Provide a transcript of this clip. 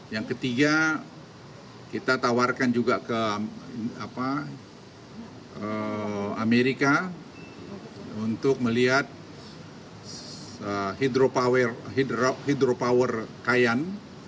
yang ketiga kita tawarkan juga ke amerika untuk melihat hidropower kayan